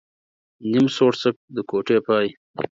نيم سوړسک ، د کوټې پاى.